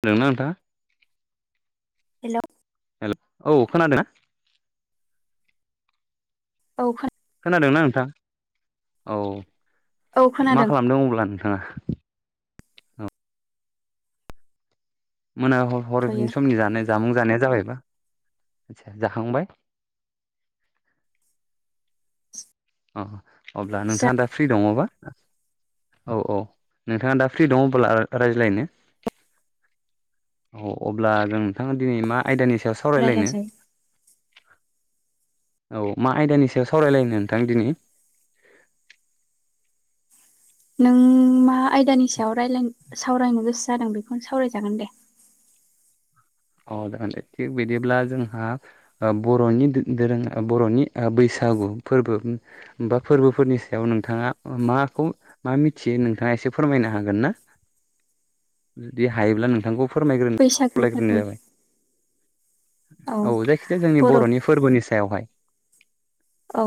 खोनादों ना नोंथाङा? हेल'। हेल औ खोनादों ना? औ खोना खोनादोंना नोंथाङा औ औ मा खोनादों खालामदों अब्ला नोंथाङा? मोना ह-ह- थ'यो हरनि समनि जानाय जामुं जानाया जाबायबा? जाखांबाय? अ अब्ला जा नोंथाङा दा फ्रि दङबा? औ औ नोंथाङा दा फ्रि दं अबोला रायज्लायनो? औ अब्ला जों नोंथाङा दिनै मा आयदानि सायाव सावरायलायनो? रायज्लायजायो औ मा आयदानि सायाव सावरायलायनो? थां दिनै नों मा आयदानि सायाव रायलायनो? सावरायनो गोसो जादों बेखौनो सावरायजागोन दे। औ जागोन दे थिग बिदिब्ला जोंहा ओ बर'नि दो-दोरों बर'नि ओ बैसा सागु फोरबो बा फोरबोफोरनि सायाव नोंथाङा माखौ मा मिथियो नोंथाङा? एसे फोरमायनो हागोन ना जुदि हायोब्ला नोंथांखौ फोरमायग्रोनो बैसागु खावलायग्रोनाय फोरबोनि जाबाय। औ जायखिजाया जोंनि बर' बर'नि फोरबोनि सायावहाय। औ।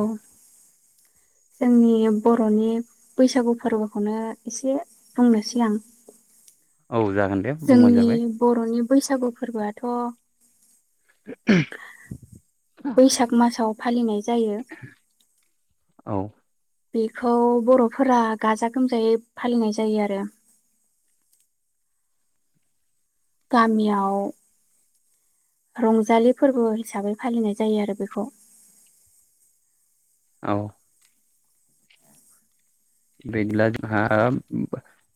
जोंनि बर'नि बैसागु फोरबोखौनो एसे बुंनोसै आं। [inaudible] जागोन दे बुंबानो जोंनि जाबाय बर'नि बैसागु फोरबोआथ' बैसाग मासाव फालिनाय जायो। औ। बेखौ बर'फोरा गाजा गोमजायै फालिनाय जायो आरो। गामियाव। रंजालि फोरबो हिसाबै फालिनाय जायो आरो बेखौ। औ। बिदिब्ला जोंहा ओ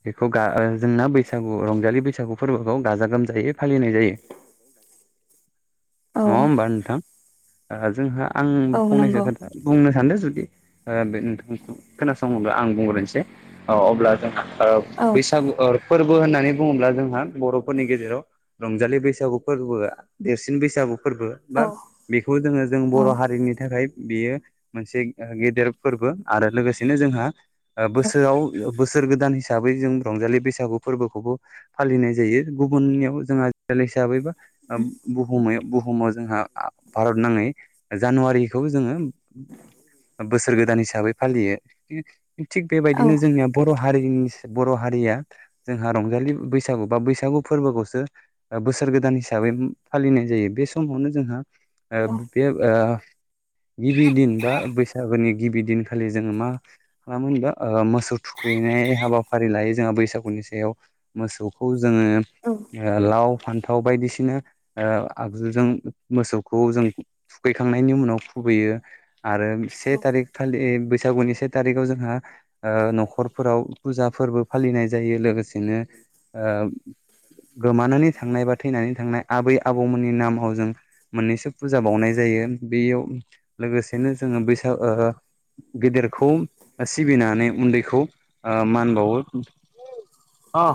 बेखौ गा जोंना बैसागु रंजालि बैसागु फोरबोखौ गाजा गोमजायै फालिनाय जायो। औ नङा होमबा नोंथां ओ जोंहा आं औ फंनैसो नंगौ खोथा बुंनो सानदों जुदि ओ नोंथां खोनासङोब्ला आं बुंग्रोनसै अब्ला ओ जों औ बैसागु ओ फोरबो होननानै बुङोब्ला जोंहा बर'फोरनि गेजेराव रंजालि बैसागु फोरबोआ देरसिन बैसागु। फोरबो औ बा बेखौ जोङो जों बर' हारिनि थाखाय बेयो मोनसे गेदेर फोरबो आरो लोगोसेनो जोंहा ओ बोसोराव बोसोर गोदान हिसाबै जों रंजालि बैसागु फोरबोखौबो फालिनाय जायो गुबुननियाव जोंहा दान हिसाबैबा ओ बुहुम बु हुमाव जोंहा भारत नाङै जानुवारिखौ जोङो बोसोर गोदान हिसाबै फालियो थिग बेबायदिनो जोंनिया बर' हा हानि बर' हारिया जोंहा रंजालि बैसागु बा बैसागु फोरबोखौसो ओ बोसोर बोसोर गोदान हिसाबै फालिनाय जायो। बे समावनो जोंहा ओ बे ओ गिबि दिन बा बैसागोनि गिबि दिनखालि जोङो मा मा होनबा मोसौ थुखैनाय हाबाफारि लायो जोंहा बैसागुनि सायाव मोसौखौ जोङो ओ लाव फान्थाव बायदिसिना ओ आगजुजों मोसौखौ जों थुखैखांनायनि उनाव थुखैयो आरो से थारिक खालि बैसागुनि से थारिखाव जोंहा ओ न'खरफोराव फुजा फोरबो फालिनाय जायो लोगोसेनो ओ गोमानानै थांनाय बा थैनानै थांनाय आबै आबौमोननि नामाव जों मोननैसो फुजा बावनाय जायो। बेयाव लोगोसेनो जोङो बैसागो ओ गेदेरखौ सिबिनानै उन्दैखौ मान बावो। अ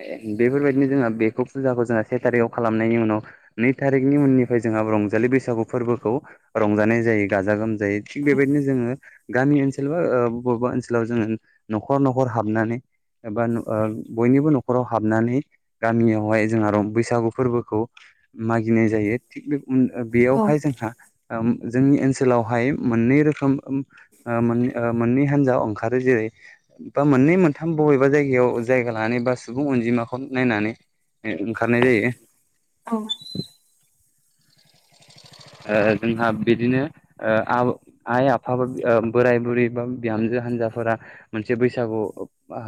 दे बेफोरबायदिनो जोंहा बेखौ फुजाखौ जोंहा सेटारिकआव खालामनायनि उनाव नै थारिखनि उननिफ्राय जोंहा रंजालि बैसागु फोरबोखौ रंजानाय जायो। गाजा गोमजायो थिग बेबायदिनो जोङो गामि ओनसोल ओ बा बबेबा ओनसोलाव जोङो न'खर न'खर हाबनानै एबा ओ बयनिबो न'खराव हाबनानै गामियावहाय जों आरो बैसागु फोरबोखौ। मागिनाय जायो थिग बे बेयावहाय जोंहा। जोंनि ओनसोलावहाय मोननै रोखोम ओ मोननै हान्जा ओंखारो जेरै बा मोननै मोन बबेबा जायगायाव जायगा लानानै बा सुबुं अनजिमाखौ नायनानै ओंखारनाय जायो। औ [inaudible] ओ जोंहा बिदिनो आइ आफाबा बोराय बुरै बा बिहामजो हानजाफोरा मोनसे बैसागु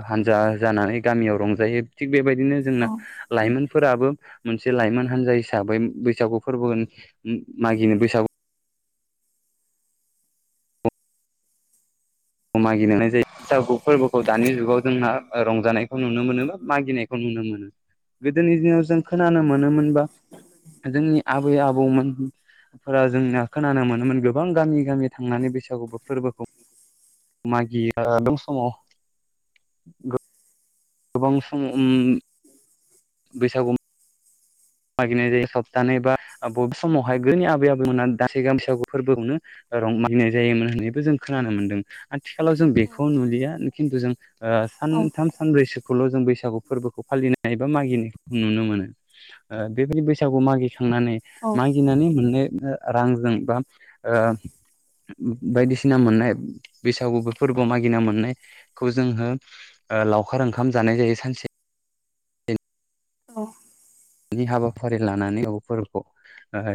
हानजा जानानै गामियाव रंजायो थि बेबायदिनो जोंना लाइमोन। फोराबो मोनसे लाइमोन हान्जा हिसाबै बैसागु फोरबो। मागिनो बैसागु मागिनानैय जायो बैसागु फोरबोखौ दानि जुगाव जोंना रंजानायखौ नुनो मोनो मागिनायखौ नु मोनो। नुनो मोनो गोदोनि दिनाव जों खोनानो मोनोमोनबा जोंनि आबै आबौमोनफोरा जोंनिया खोनानो मोनोमोन गोबां गामि गामि थांनानै बैसागुबो फोरबोखौ मागियो बे समाव गोबां सम बैसागु मागिनाय जायो सप्तानै बा बबे समावहाय गोदोनि आबै आबौमोनहा दासैगां बैसागु फोरबोखौनो रं मागिनाय जायोमोन होन्नानैबो जों खोनानो मोनदों। आथिखालाव जों बेखौ नुलिया खिन्थु ओ जों सानथाम सानब्रैसोखौल' जों बै बैसागु फोरबोखौ फालिनाय बा मागिनायखौ नुनो मोनो ओ बेबायदि बैसागु मागि थांनानै औ मागिनानै मोननाय रांजों बा ओ बायदिसिना मोननाय बैसागुबो फोरबोआव मागिना मोननायखौ जोङो ओ लावखार ओंखाम जानाय जायो सानसे औ नि हाबाफारि लानानै हाबाफोरखौ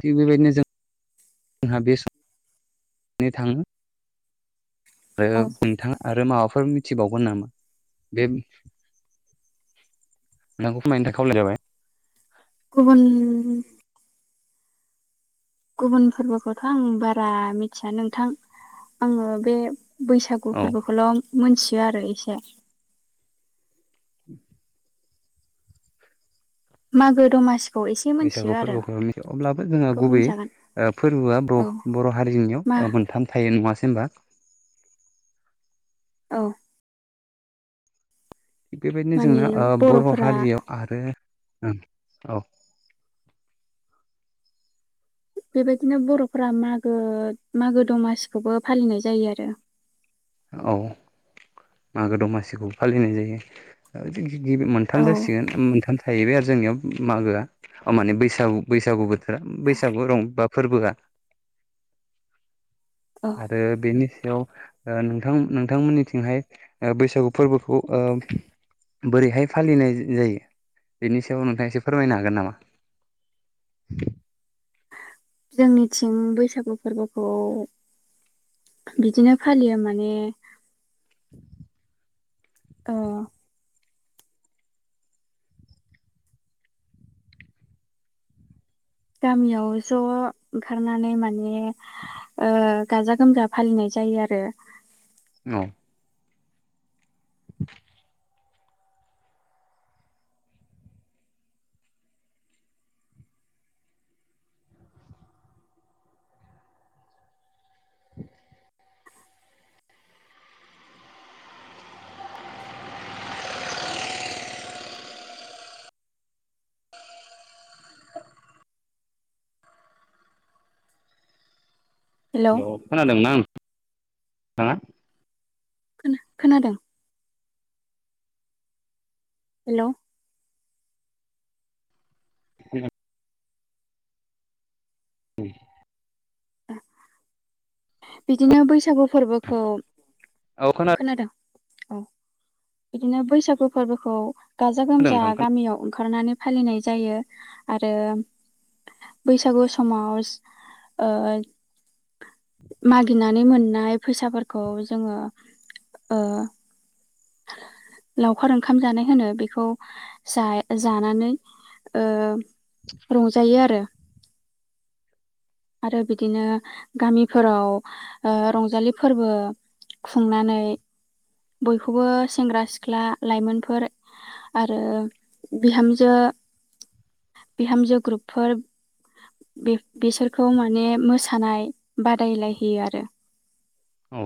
थिग बेबायदिनो जों जोंहा बे सम थाङो। आरो औ नोंथां आरो माबाफोर फोर मिथिबावगोन नामा बे?? नोंखौ फोरमानो थाखाय खावलाय जाबाय गुबुन गुबुन फोरबोखौथ' आं बारा मिथिया नोंथां आङो बे बैसागु औ फोरबोखौल' मोनथियो आरो इसे [inaudible] मागो दमासि बैसागु फोरबोखौ मिथियो अब्लाबो जोंहा बेखौ गुबैयै बुंजागोन ओ फोरबोआ ब औ बर' हारिनियाव मा ओ मोनथाम थायो नङासै होमबा? औ थिग बेबायदिनो माने जोंना ओ बर' बर'फोरा हारियाव आरो ओम औ। बेबायदिनो बर'फोरा मागो मागो दमासिखौबो फालिनाय जायो आरो औ मागो दमासिखौ फालिनाय जायो गिबि मोनथाम औ जासिगोन मोनथाम थाहैबाय आरो जोंनियाव मागोआ अ माने बैसागु बैसागु बोथोरा बैसागु रं बा फोरबोआ औ आरो बेनि सायाव ओ नोंथां नोंथांमोननि थिंहाय बैसागु फोरबोखौ ओ बोरैहाय फालिनाय जायो बेनि सायाव नोंथाङा एसे फोरमायनो हागोन नामा? [inaudible] जोंनिथिं बैसागु फोरबोखौ बिदिनो फालियो माने औ गामियाव ज' ओंखारनानै माने ओ गाजा गोमजा फालिनाय जायो आरो औ [inaudible] हेलौ हेलौ‌ खोनादोंना आं थाङा? खोना खोनादों। हेलौ? [inaudible] ओम बिदिनो बैसागु फोरबोखौ खोनादों औ। बिदिनो बैसागु फोरबोखौ गाजा गोमजा नोंथां गामियाव ओंखारनानै फालिनाय जायो आरो बैसागु समाज ओ मागिनानै मोननाय फैसाफोरखौ जोङो ओ [inaudible] लावखार ओंखाम जानाय होनो बेखौ जा जानानै ओ रंजायो आरो। आरो बिदिनो गामिफोराव ओ रंजालि फोरबो खुंनानै बयखौबो सेंग्रा सिख्ला लाइमोनफोर आरो बिहामजो बिहामजो ग्रुपफोर बे बेसोर खौ माने मोसानाय बादायलायहोयो आरो। औ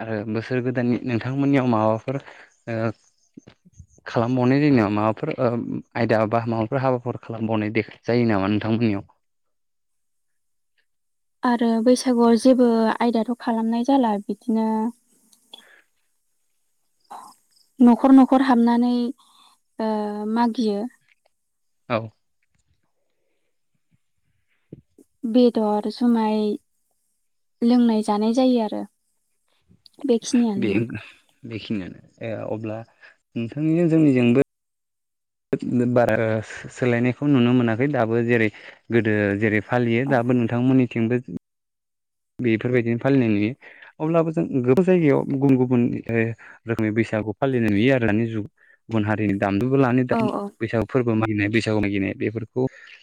आरो बोसोर गोदाननि नोंथांमोननियाव माबाफोर ओ खालामबावनाय जायो नामा माबाफोर ओ आयदा बा माबाफोर हाबाफोर खालामबावनाय दे जायो नामा नोंथांमोननियाव? [inaudible] आरो बैसागुआव जेबो आयदाथ' खालामनाय जाला बिदिनो [inaudible] न'खर न'खर हाबनानै ओ मागियो औ बेदर जुमाय लोंनाय जानाय जायो आरो बे बेखिनियानोमोन बेखिनियानो अब्ला नोंथांनि जोंनिजोंबो बारा सोलायनायखौ नुनो मोनाखै दाबो जेरै गोदो जेरै फालियो औ दाबो नोंथांमोननिथिंबो बेफोरबायदिनो फालिनाय नुयो अब्लाबो जों गोबां जायगायाव गुबुन गुबुन रोखोमनि बैसागु खौ फालिनाय नुयो आरो दानि जुग गुबुन हारिनि दामजुबो लानो औ दानि बैसागु फोरबो मागिनाय बैसागु मागिनाय बेफोरखौ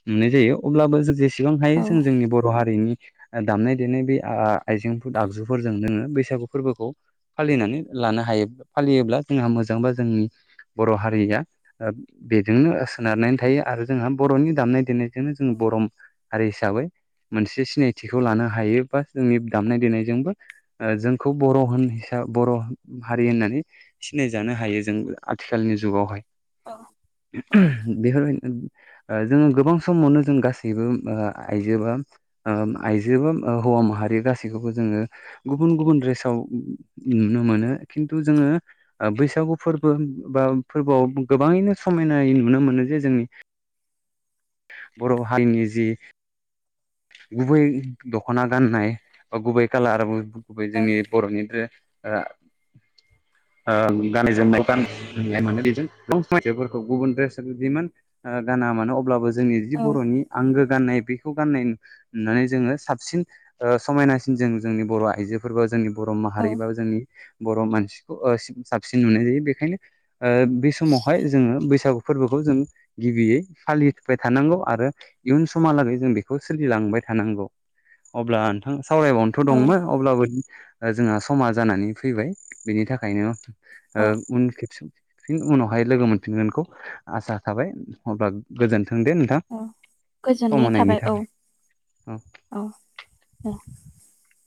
नुनाय जायो अब्लाबो जों जेसेबां हायो औ जों जोंनि बर' हारिनि दामनाय दिनै बे आइजेंफोर आगजुफोरजों जोङो बैसागु फोरबोखौ फालिनानै लानो हायो। फालियोब्ला जोंहा मोजांबा जोंनि बर' हारिया बेजोंनो सोनारनानै थायो आरो जोंहा बर'नि दामनाय देनायजोंनो जों बर' हारि हिसाबै मोनसे सिनायथिखौ लानो हा योबा जोंनि दामनाय देनायजोंबो जोंखौ बर' होन हिसाबै बर' हारि होननानै सिनायजानो हायो जों आथिखालनि जुगावहाय। औ बफोरबादिनो जोङो गोबां समावनो जों गासैबो आइजोबा आइजोबा हौवा माहारि गासैखौबो जोङो गुबुन गुबुन रेसाव नुनो मोनो खिन्थु जोङो बैसागु फोरबो बा फोरबोआव गोबाङैनो समायनायै नुनो मोनो जे जोंनि बर' हारिनि जि गुबै दख'ना गाननाय बा गुबै कालार गुबै जोंनि बर'नि [inaudible] [inaudible] [inaudible] [inaudible] [inaudible] [inaudible] मानो अब्लाबो जोंनि जि औ बर'नि आंगो गान्नाय बेखौ गाननाय होननानै जोङो साबसिन समायनासिन जों जोंनि बर' आइजोफोर बा जोंनि बर' औ माहारि बा जोंनि बर' मानसिखौ साबसिन नुनाय जायो बेखायनो बे समावहाय जोङो बैसागु फोरबोखौ जों गिबियै फालिबाय थानांगौ आरो इयुन समहालागै जों बेखौ सोलिलांबाय थानांगौ अब्ला नोंथां सावरायबावनोथ' औ दंमोन अब्लाबो जोंहा समा जानानै फैबाय बेनि थाखायनो औ उन खेबसेयाव फिन उनावहाय लोगो मोनफिनगोनखौ आसा थाबाय अब्ला गोजोन थों दे नोंथां औ सम गोजोननाय होनायनि थाबाय औ थाखाय औ। [inaudible]